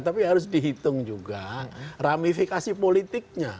tapi harus dihitung juga ramifikasi politiknya